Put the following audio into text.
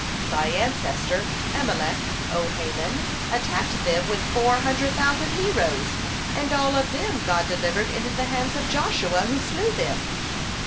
Thy ancestor Amalek, O Haman, attacked them with four hundred thousand heroes, and all of them God delivered into the hands of Joshua, who slew them.